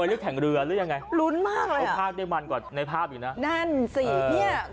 หรือยังไงรุ้นมากเลยอ่ะเอาภาพได้มันกว่าในภาพอีกนะนั่นสิเนี่ย